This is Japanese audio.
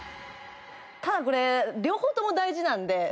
ただこれ両方とも大事なので。